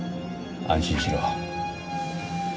安心しろ。